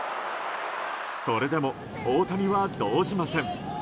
それでも、大谷は動じません。